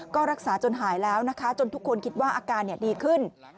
ก็รักษาจนหายแล้วนะคะจนทุกคนคิดว่าอาการดีขึ้น